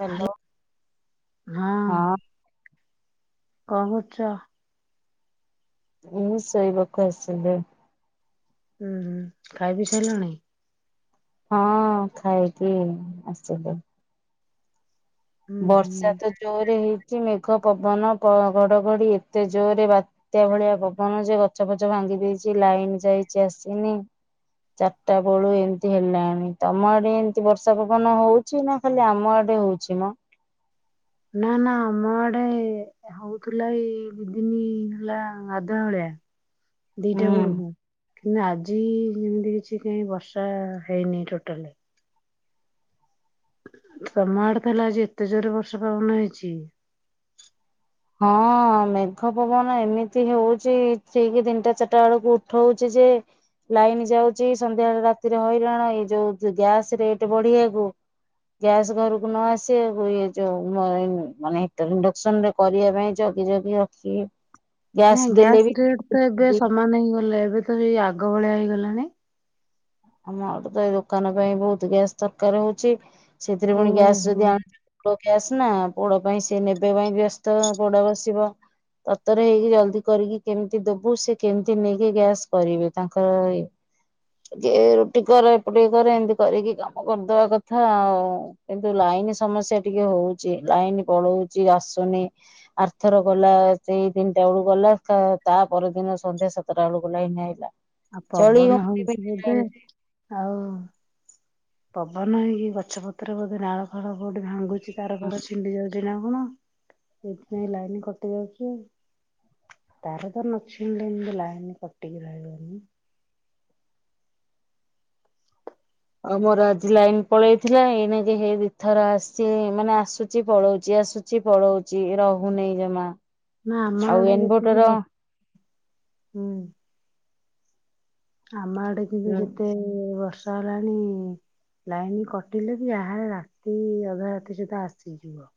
Hello ହଁ କଣ କରୁଛ? ହୁଁ ଶୋଇବାକୁ ଆସିଲି। ହୁଁ ହୁଁ ଖାଇ ବିି ସାଇିଲାଣି। ହଁ ଖାଇକି ଆସିଲେ। ହୁଁ ହୁଁ ବର୍ଷା ତ ଜୋରେ ହେଇ ମେଘ ପବନ ଘଡଘଡି ଏତେ ଜୋରରେ ବାତ୍ୟା ଭଳିଆ ପବନ ଯେ ଗଛ ଫଛ ଭାଙ୍ଗି ଦେଇଛି। ଲାଇନ୍ ଯାଇଛି ଆସିନି। ଚାରିଟା ବେଳୁ ଏମତି ହେଲାଣି ତମ ଆଡେ ଏମତି ବର୍ଷା ପବନ ହଉଛି ନା ଖାଲି ଆମ ଆଡେ ହଉଛି ମ। ନା ନା ଆମ ଆଡେ ହଉଥିଲା ଏଇ ଦିଦିନି ହେଲା ଅଧା ଭଳିଆ। ଦିଟା ହୁଁ। ବେଳକୁ। କିନ୍ତୁ ଆଜି ଯେମିତି କିଛି କାଇଁ ବର୍ଷା ହେଇନି ଟୋଟାଲେ। ତମ ଆଡେ ତ ହେଲେ ଆଜି ଏତେ ଜୋରରେ ବର୍ଷା ପବନ ହେଇଛି। ହଁ ମେଘ ପବନ ଏମିତି ହଉଛି ଠିକ ତିନିଟା ଚାରିଟା ବେଳକୁ ଉଠଉଛି ଯେ ଲାଇନ୍ ଯାଉଛି ସନ୍ଧ୍ୟାବେଳେ ରାତିରେ ହଇଲାଣ ଏଇ ଯୋଉ ଗ୍ୟାସ ରେଟ ବଢିବାକୁ ଗ୍ୟାସ ଘରକୁ ନ ଆସିବାକୁ ଇଏ ଯୋଉ ମାନେ ହିଟର ଇଣ୍ଡକ୍ସନରେ କରିବା ପାଇଁ ଜଗି ଜଗି ରଖିବ। ନାଇଁ ଗ୍ୟାସ ରେଟ ତ ଏବେ ସମାନ ହେଇଗଲେ। ଏବେ ତ ଏଇ ଆଗ ଭଳିଆ ହେଇଗଲାଣି। ଆମ ଗୋଟେ ତ ଏଇ ଦୋକାନ ପାଇଁ ବହୁତ ଗ୍ୟାସ୍ ତରକାର ହଉଛି। ସେଥିରେ ପୁଣି ଗ୍ୟାସ୍ ଓହୋ। ଯଦି ଆଣ ଗ୍ୟାସ୍ ନା ପୋଡ ପାଇଁ ସେ ନେବେ ପାଇଁ ବ୍ୟସ୍ତ ପୋଡା ବସିବ। ତର ତର ହେଇକି ଜଲଦି କରିକି କେମିତି ଦବୁ ସେ କେମିତି ନେଇକି ଗ୍ୟାସ୍ କରିବେ। ତାଙ୍କର ଯେ ରୁଟି କର ଏପଟ କର ଏମତି କରିକି କାମ କରିଦବା କଥା ଆଉ। କିନ୍ତୁ ଲାଇନ୍ ସମସ୍ୟା ଟିକେ ହଉଛି। ଲାଇନ୍ ପଳଉଛି ଆସୁନି। ଆରଥର ଗଲା ସେଇ ତିନିଟା ବେଳକୁ ଗଲା ତା ପର ଦିନ ସନ୍ଧ୍ୟା ସାତଟା ବେଳକୁ ଲାଇନି ଆଇଲା। ଆଉ ଚଳି ପବନ ହଉନି ହଉଛିି। ବିନା ଏବେ ଲାଇନରେ ହଉ ପବନଇକି ଗଛପତ୍ର ବୋଧେ ନାଳ ଫଳ କୋଉଠି ଭାଙ୍ଗୁଛି ତାର ଫାର ଛିଣ୍ଡି ଯାଉଛି। କଣ ଏଥିପାଇଁ ଲାଇନ କଟି ଦଉଛି ତାର ତ ନଛିଣିଲ ଏମିତି ଲାଇନ କଟିକି ରହିବନି। ଆଉ ମୋର ଆଜି ଲାଇନ ପଳେଇଥିଲା ଏଇଣେକ ହେଇ ଦିଇ ଥର ଆସିଛି ମାନେ ଆସୁଛି ପଳଉଛି ଆସୁଛି ପଳଉଛି ରହୁନି ଜମା। ନା ଆମ ଆଉ ଏଟେ ଯେତିକି ଇନଭଟର ବସ ହୁଁ। ଆମ ଆଡେ କିନ୍ତୁ ଯେତେ ବର୍ଷ ଷ ହେଲାଣି ଲାଇନ କଟିଲେ ବି ଏହାର ରାତି ଅଧ ରାତି ସୁଧା ଆସି ଯିବ।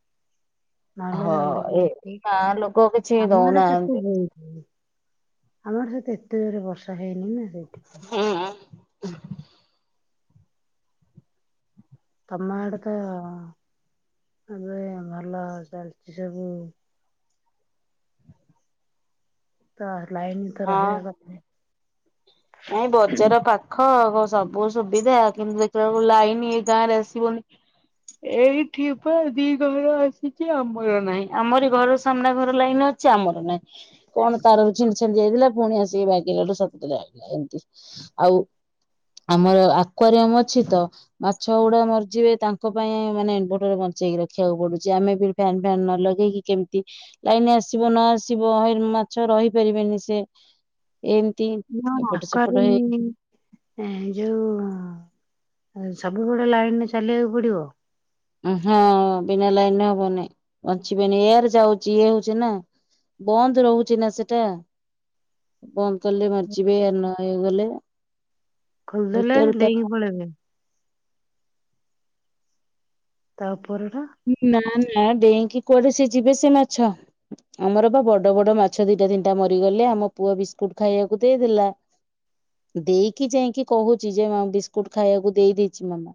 ହଁ ଏ ଗାଁ ଲୋକ କିଛି ଦଉନାହାନ୍ତି। ଆମର ତଠି ଏତେ ଇଏରେ ବର୍ଷା ହେଇନି ନା। ସେଇଠ ପାଇଁ। ହୁଁ [inaudible] ତମ ଆଡେ କା ଏବେ ଭଲ ଚାଲିଚି ସବୁ। ତ ଲାଇନ ତ ହଁ, ରହିବା କଥା। ନାଇଁ ବଜାର ପାଖ ଆ ସବୁ ସୁବିଧା କିନ୍ତୁ ଦେଖିଲାଳକୁ ଲାଇନ ଏ ଗାଁରେ ଆସିବନି। ଏଇଠି ବା ଦି ଘର ଆସିଚି ଆମର ନାହିଁ। ଆମରି ଘର ସାମ୍ନା ଘର ଲାଇନ ଅଛି ଆମର ନାହିଁ କଣ ତାର ସିଂଜ ହେଇଗଲା ପୁଣି ଆସିକି ବାଗିଲାଠୁ ସବୁ ଦିନ ଆଇଲା ଏମତି, ଆଉ ଆମର ଆକ୍ୱାରିୟମ ଅଛି ତ ମାଛ ଗୁଡା ମରିଯିବେ ତାଙ୍କ ପାଇଁ ମାନେ ଇନଭଟର ବଞ୍ଚେଇକି ରଖିବାକୁ ପଡୁଚି। ଆମେ ବି ଫେନ୍ ଫାନ ନ ଲଗେଇକି କେମିତି ଲାଇନ ଆସିବ ନ ଆସିବ ମାଛ ରହି ପାରିବେନି ସେ ହ ଏପଟ ସେପଟ ହେଇ ଆକ୍ୱାରିଅମ୍ ଏ ଯୋଉ ହଁ, ଏ ସବୁବେଳ ଲାଇନରେ ଚାଲିବାକୁ ପଡିବ? ହଁ ବିନା ଲାଇନ ହବନି। ବଞ୍ଚିବେନି ଏୟାର ଯାଉଚି ଇଏ ହଉଚି ନା, ବନ୍ଦ ରହୁଚି ନା ସେଟା, ବନ୍ଦ କଲେ ବଞ୍ଚିବେ, ନ ଏୟାର ଗଲେ ଖୋଲିଦେଲେ ନେଇକି ପଳେଇବେ। ତାପ ନା ନା ଡେଇଁକି କୁଆଡେ ସେ ଯିବେ ସେ ମାଛ, ଆମର ବା ବଡ ବଡ ମାଛ ଦିଟା ତିନିଟା ମରିଗଲେ। ଆମ ପୁଅ ବିସ୍କୁଟ ଖାଇବାକୁ ଦେଇଦେଲା, ଦେଇକି ଯାଇକି କହୁଛି ଯେ ମା ବିସ୍କୁଟ ଖାଇବାକୁ ଦେଇ ଦେଇଚି ମାମା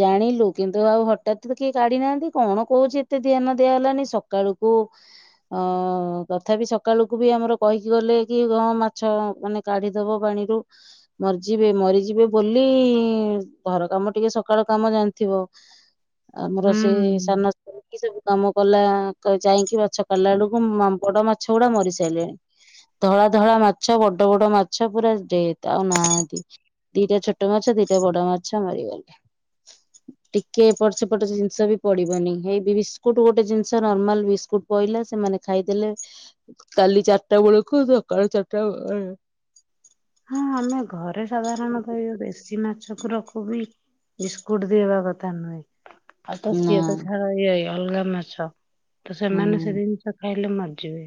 ଜାଣିଲୁ, କିନ୍ତୁ ଆଉ ତାକୁ ତ କିଏ କାଢି ନାହାନ୍ତି, କଣ କହୁଚି ଏତେ ଧ୍ୟାନ ଦିଆହଲାନି ସକାଳକୁ ଅ ତଥାପି ସକାଳକୁ ବି ଆମର କହିକି ଗଲେ କି ହଁ ମାଛ ମାନେ କାଢିଦବ ପାଣିରୁ, ମରିଯିବେ ମରିଯିବେ ବୋଲି ଘର କାମ ଟିକେ ସକାଳ କାମ ଜାଣିଥିବ। ଆମର ହୁଁ। ସେ ସାନ ଏ ସବୁ କାମ କଲା କ ଯାଇକି ବା ଚଛ କଲା ବଳକୁ ମାମ୍ ବଡ ମା ମାଛ ଗୁଡା ମରିସାରିଲେଣି। ଧଳା ଧଳା ମାଛ ବଡ ବଡ ମାଛ ପୁରା ଯେ ଆଉ ନାହାନ୍ତି। ଦିଟା ଛୋଟ ମାଛ ଦିଟା ବଡ ମାଛ ମରିଗଲେ। ଟିକେ ଟ ସେପଟ ସେ ଜିନିଷ ବି ପଡିବନି। ଏଇ ବିସ୍କୁଟ ଗୋଟେ ଜିନିଷ ନର୍ମାଲ ବିସ୍କୁଟ ପହିଲା ସେମାନେ ଖାଇଦେଲେ। କାଲି ଚାରିଟା ବେଳକୁ ସକାଳ ଚାରିଟା [unintelligible] ହଁ ଆମେ ଘରେ ସାଧାରଣ କହିବ ଦେଶୀ ମାଛକୁ ରଖୁ ବି ବିସ୍କୁଟ ଦବା କଥା ନୁହେଁ। ଆଉ ତ ସେ ନା ତ ଛାଡ ୟେ ଅଲଗା ମାଛ ତ ସେମାନେ ସେ ହୁଁ ଜିନିଷ ଖାଇଲେ ମ ଯିବେ।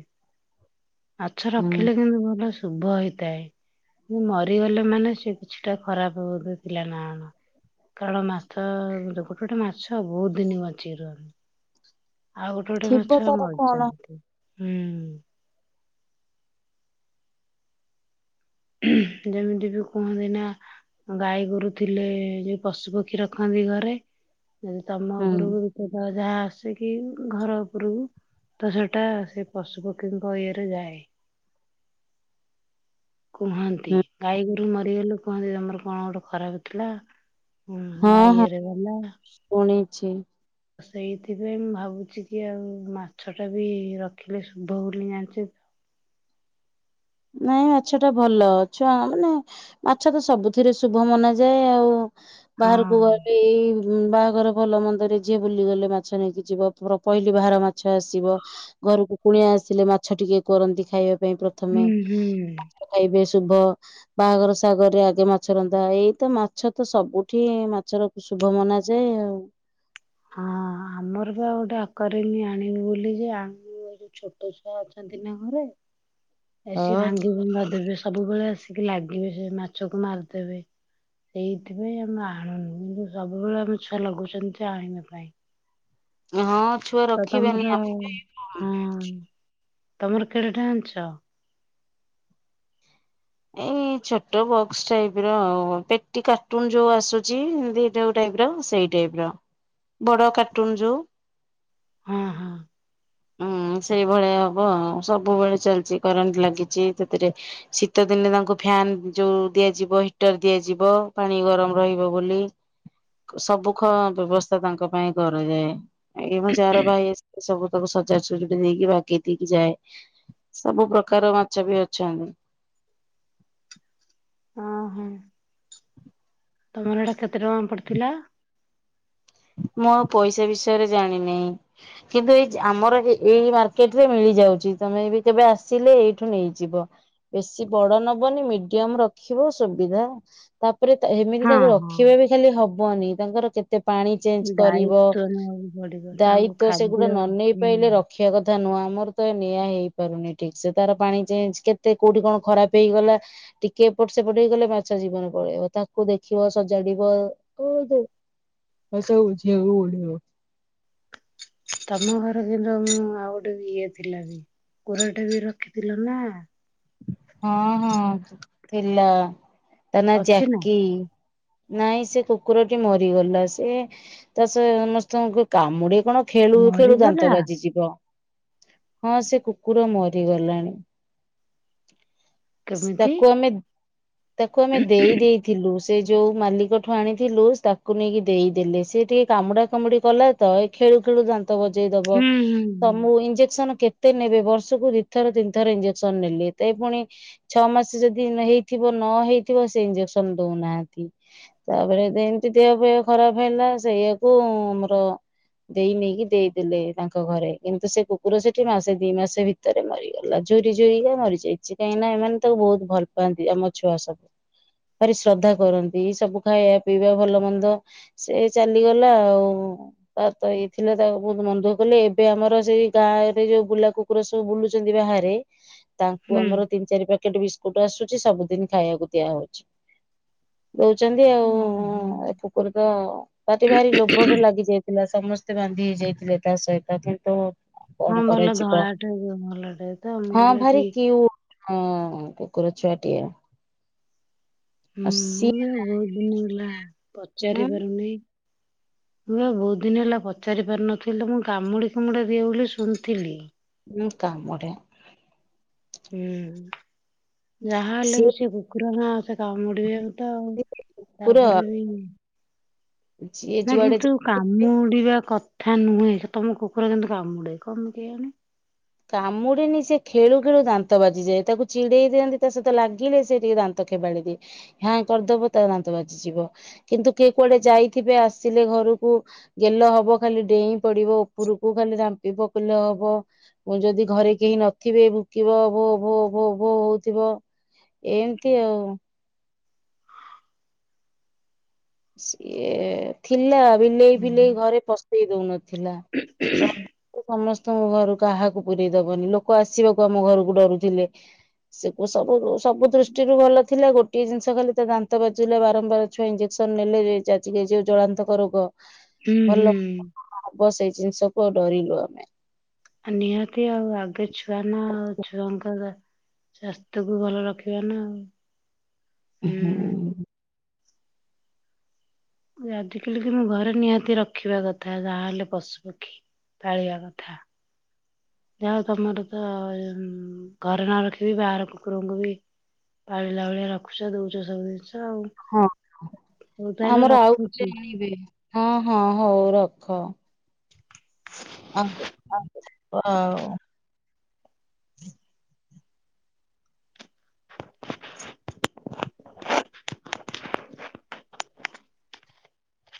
ଆଛା ହୁଁ ରଖିଲ [unintelligible] ଶୁଭ ହେଇଥାଏ। ମରିଗଲେ ମାନେ ସେ କିଛିଟା ଖରାପ [unintelligible] ଥିଲା ନା ନା ଖରା ମାଛ ଗୋଟେ ଗୋଟେ ମାଛ ବହୁତ ଦିନ ବଚିକି ରହନ୍ତି। ଆଉ ଗୋଟେ ଥିବ ଗୋଟେ ମାଛ ତାର କଣ ମରିଯାନ୍ତି। ହୁଁ। ଯେମିତି ବି କୁହନ୍ତି ନା, ଗାଈ ଗୋରୁ ଥିଲେ ଯୋଉ ପଶୁ ପକ୍ଷୀ ରଖନ୍ତି ଘରେ ଯି ତମ ହୁଁ ଉପରକୁ ବି ସେବ ଯାହା ଆସିକି ଘର ଉପରକୁ ତ ସେଟା ସେ ପଶୁ ପକ୍ଷୀଙ୍କ ଇଏରେ ଯାଏ। କୁହନ୍ତି ଗାଈଗୋରୁ ମରିଗଲୁ କୁହନ୍ତି ତମର କଣ ଗୋଟେ ଖରାପ ଥିଲା? ହୁଁ ଆ ଇଏରେ ଗଲା ଛି [inaudible] ସେଇଥିପାଇଁ ମୁଁ ଭାବୁଛି କି ଆଉ ମାଛ ଟା ବି ରଖିଲେ ଶୁଭ ବୋଲି ଜାଣିଛେ ନାଇଁ ମାଛ ଟା ଭଲ ଛୁଆ ମାନେ ମାଛ ତ ସବୁଥିରେ ଶୁଭ ମନାଯାଏ ଆଉ। ବାହାରକୁ ହଁ ଗଲେଇ ବାହାଘର ଭଲ ମନ୍ଦରେ ଯିଏ ବୁଲିଗଲେ ମାଛ ନେଇକି ଯିବ ପହିଲି ବାହାର ମାଛ ଆସିବ ଘରକୁ କୁଣିଆ ଆସିଲେ ମାଛ ଟିକେ କରନ୍ତି ଖାଇବା ପାଇଁ ପ୍ରଥମେ। ହୁଁ ହୁଁ। ଏବେ ଶୁଭ ବାହାଘର ସାଗରରେ ଆଗେ ମାଛ ରନ୍ଧା ଏଇତ ମାଛ ତ ସବୁଠି ମାଛର ଶୁଭ ମନାଯାଏ ଆଉ। ହଁ ଆମର ବି ଆଉ ଗୋଟେ ଆକାରମି ଆଣିବି ବୋଲି ଯେ ଆଣିବୁ ଏ ଯୋଉ ଛୋଟ ଛୁଆ ଅଛନ୍ତି ନା ଘରେ ଏସି ହଁ। ଭାଙ୍ଗି ଭୁଙ୍ଗା ଦେବେ ସବୁବେଳେ ଆସି ଟିକ ଲାଗିବେ ସେ ମାଛକୁ ମାରିଦେବେ ସେଇଥିପାଇଁ ଆମେ ଆଣୁନୁ କିନ୍ତୁ ସବୁବେଳେ ଆମ ଛୁଆ ଲଗୁଛନ୍ତି ସେ ଆଣିବାକୁ ପାଇଁ ହଁ ଛୁଆ ତ ତମର ରଖିବେନି ଆ [inaudible] ହଁ ତମର କେଡେଟେ ଆଣିଚ। ଏଇ ଛୋଟ ବକ୍ସ ଟାଇପ ର ଆଉ ପେଟି କାର୍ଟୁନ ଯୋଉ ଆସୁଚି [unintelligible] ଯୋଉ ଟାଇପ ର ସେଇ ଟାଇପ ର ବଡ କାର୍ଟୁନ ଯୋଉ ହଁ ହଁ। ହୁଁ ସେଇଭଳିଆ ହବ ସବୁବେଳେ ଚାଲିଚି କରେଣ୍ଟ ଲାଗିଚି ସେଥିରେ ଶୀତ ଦିନେ ତାଙ୍କୁ ଫ୍ୟାନ ଯୋଉ ଦିଆଯିବ ହିଟର ଦିଆଯିବ ପାଣି ଗରମ ରହିବ ବୋଲି ସବୁ ଖ ବ୍ୟବସ୍ଥା ତାଙ୍କ ପାଇଁ କରାଯାଏ। ଏଗି ମୁ ଯାର ଭାଇ ଅଛି ତାକୁ ସଜାଜ କରିକି ନେଇକି ବାଗେଇ ଦେଇକି ଯାଏ ସବୁ ପ୍ରକାର ମାଛ ବି ଅଛନ୍ତି। ଓହୋ ତମର ଏଟା କେତେ ଟଙ୍କା ପଡିଥିଲା? ମୁଁ ଆଉ ପଇସା ବିଷୟରେ ଜାଣିିନାଇ କିନ୍ତୁ ଏଇ ଆମର ଏଇ ମାର୍କେଟ ରେ ମିଳିଯାଉଚି ତମେ ବି କେବେ ଆସିଲେ ଏଇଠୁ ନେଇଯିବ ବେଶୀ ବଡ ନବନି ମିଡିୟମ ରଖିବ ସୁବିଧା। ଉପରେ ତା ଏମିତି ହଁ ତାକୁ ହଁ ରଖିବା ବି କାଲି ହବନି ତାଙ୍କର କେତେ ପାଣି ଚେଞ୍ଜ କରିବ ଦାୟିତ୍ୱ ନେବାକୁ ପଡିବ ତାଙ୍କୁ ଦାୟିତ୍ଵ ସେଗୁଡା ଖାଦ୍ୟ ନ ନେଇ ହୁଁ। ପାଇଲେ ରଖିବା କଥା ନୁହଁ। ଆମର ତ ଏ ନିଆଁ ହେଇ ପାରୁନି ଠିକ ସେ ତାର ପାଣି ଚେଞ୍ଜ କେତେ କୋଉଠି କଣ ଖରାପ ହେଇଗଲା ଟିକେ ଏପଟ ସେପଟ ହେଇଗଲେ ମାଛ ଜୀବନ ପଳେଇବ ତାକୁ ଦେଖିବ ସଜାଡିବ [unintelligible] ତମ ଘର କିନ୍ତୁ ମୁଁ ଆଉ ଗୋଟେ ଇଏ ଥିଲା ବି କୁରାଟେ ବି ରଖିଥିଲ ନା। ହଁ ହଁ ଥିଲା। ତା ନା ଜ୍ୟାକି। ନାଇଁ ସେ କୁକୁରଟି ମରିଗଲା ସେ ତା ସ ସମସ୍ତଙ୍କୁ କାମୁ କଣ ଖେଳୁ ଖେଳୁ ମରିଗଲା? ଦାନ୍ତ ବାଜି ଯିବ। ହଁ ସେ କୁକୁର ମରିଗଲାଣି। [inaudible] କେମିତି? ତାକୁ ଆମେ ତାକୁ ଆମେ ଦେଇ ଦେଇଥିଲୁ। ସେ ଯୋଉ ମାଲିକଠୁ ଆଣିଥିଲୁ ତାକୁ ନେଇକି ଦେଇଦେଲେ ସେ ଟିକେ କାମୁଡା କାମୁଡି କଲା ତ ଏ ଖେଳୁ ଖେଳୁ ଦାନ୍ତ ହାତ ବଜେଇ ଦବ ହୁଁ ହୁଁ ତମ ଇଞ୍ଜେକ୍ସନ କେ କେତେ ନେବେ ବର୍ଷ କୁ ଦିଥର ତିନିଥର ଇଞ୍ଜେକ୍ସନ ନେଲେ। ତେଇ ପୁଣି ଛଅ ମାସ ଯଦି ହେଇଥିବ ନ ହେଇଥିବ ସେ ଇଞ୍ଜେକ୍ସନ ଦଉନାହାନ୍ତି। ତା ପରେ ଏମିତି ଦେହପହ ଖରାପ ହେଲା ସେଇଆକୁ ଆମର ଦେଇ ନେଇକି ଦେଇଦେଲେ ତାଙ୍କ ଘରେ କିନ୍ତୁ ସେ କୁକୁର ସେଠି ମାସେ ଦି ମାସ ଭିତରେ ମରିଗଲା। ଝୁରି ଝୁରିିକା ମରି ଯାଇଚି କାହିଁକି ନା ଏମାନେ ତାକୁ ବହୁତ ଭଲ ପାଆନ୍ତି। ଆମ ଛୁଆ ସବୁ ଭାରି ଶ୍ରଦ୍ଧା କରନ୍ତି। ସବୁ ଖାଇବା ପିଇବା ଭଲ ମନ୍ଦ ସେ ଚାଲିଗଲା ଆଉ। ତାର ତ ଇ ଥିଲା ତାକୁ ବହୁତ ମନ ଦୁଖ କଲେ ଏବେ ଆମର ସେଇ ଗାଁ ରେ ଯୋଉ ବୁଲା କୁକୁର ସବୁ ବୁଲୁଚନ୍ତି ବାହାରେ ହୁଁ କୁ ହୁଁ। ଆମର ତିନି ଚାରି ପ୍ୟାକେଟ ବି କୁଟୁ ଆସୁଚି ସବୁଦିନ ଖାଇବାକୁ ଦିଆହଉଚି। [inaudible] ଦଉଚନ୍ତି ଆଉ। ଓହୋ ହଁ ଏ କୁକୁର ତ ତାଟି ଭାରି ଲୋଭଟା ଲାଗିଚ ପିଲା ସମସ୍ତେ ବାନ୍ଧି ହେଇଯାଇଥିଲେ ତା ସହିତ କିନ୍ତୁ କଣ ହଁ ଭଲ କରାଯିବ ଧଳାଟେ ଭଲ ଟେ ତ ମୁଁ କହିଲି ଆଜି ଓଃ ହଁ କୁକୁର ଛୁଆଟିଏ। [inaudible] ଅଶୀ ଦିନି ହେଲା ପଚାରି ପାରୁନି [inaudible] ମୁଁ ବି ଆଉ ବହୁତ ଦିନ ହେଲା ପଚାରି ପାରୁ ନଥିଲି ମୁଁ କାମୁଡି କୁମୁଡ଼ା ଦିଏ ବୋଲି ଶୁଣିଥିଲି। ଉଁ କାମୁଡେ। [inaudible] ଉଁ। ଯାହା ହେଲେ ସିଏ ବି ସେ କୁକୁର ନାଁ ଆ କାମୁଡିବାକୁ ତ [inaudible] ଆଉ ତା କୁକୁର ପରେ ବି ଯିଏ [inaudible] ନା ଯୁଆଡେ କିନ୍ତୁ ଯାଉଚି କାମୁଡିବା କ ଥା ନୁହେଁ ସେ ତମ କୁକୁର କିନ୍ତୁ କାମୁଡେ କଣ କେଇଆଣି। କାମୁଡେନି ସେ ଖେଳୁ ଖେଳୁ ଦାନ୍ତ ବାଜିଯାଏ। ତାକୁ ଚିଡେଇ ଦିଅନ୍ତି ତା ସହିତ ଲାଗିଲେ ସେ ଟିକେ ଦାନ୍ତ ଖେବାଳି ଦିଏ ହାଁ କରିଦବ ତା ଦାନ୍ତ ବାଜିଯିବ। କିନ୍ତୁ କିଏ କୁଆଡେ ଯାଇଥିବେ ଆସିଲେ ଘରକୁ ଗେଲ ହବ ଖାଲି ଡେଇଁ ପଡିବ ଉପରକୁ ଖାଲି ରାମ୍ପି ପକଲ ହବ। ମୁଁ ଯଦି ଘରେ କେହି ନଥିବେ ଭୁକିବ ଭୋ ଭୋ ଭୋ ଭୋ ହୋଉଥିବ ଏମିତି ଆଉ। ସିଏ ଥିଲା ବିଲେଇ ଫିଲେଇ ହୁଁ। ଘରେ ପସ୍ ଇ ଦୋଉନ ଥିଲା [inaudible] ତ ସମସ୍ତଙ୍କ ଘରୁ କାହାକୁ ପୁରେଇ ଦବନି ଲୋକ ଆସିବାକୁ ଆମ ଘରକୁ ଡରୁଥିଲେ। ସେ ସବୁ ସବୁ ଦୃଷ୍ଟିରୁ ଭଲ ଥିଲା ଗୋଟିଏ ଜିନିଷ ଖାଲି ତା ଦାନ୍ତ ବାଜିଲେ ବାରମ୍ବାର ଛୁଆ ଇଁଜେ ସନ୍ ନେଲେ [unintelligible] ଯୋଉ ଜଳାନ୍ତକ ରୋଗ। ହୁଁ [inaudible] ଭଲ ହୁଁ ହବ ସେଇ ଜିନିଷ ପ ଡରିିଲୁ ଆମେ। [inaudible] ନିହାତି ଆଉ ଆଗେ ଛୁ ସାନ ଛୁଆଙ୍କର ସ୍ୱାସ୍ଥ୍ୟକୁ ଭଲ ରଖିବା ନା ଆଉ। [inaudible] ହୁଁ। [unintelligible] ଆଜି କାଲି କି ନୁଁ ଘରେ ନିହାତି ରଖିବା କଥା ଯାହା ହେଲେ ପଶୁ ପକ୍ଷୀ ପାଳିବା କଥା। ଯାହା ହୋଉ ତମର ତ ଘରେ ନ ରଖିବି ବାହାର କୁକୁରଙ୍କୁ ବି ପାଳିଲା ଭଳିଆ ରଖୁଛ ଦଉଛ ସବୁ ଜିନିଷ। ଆଉ। ହଁ ହଉ ତାହେଲେ ଆମର ଆଉ ରଖୁଛି। ଗୋଟେ ଆଣିବେ। ହଁ ହଁ ହଉ ରଖ। ଆ ହୋ ହ। [unintelligible] [unintelligible]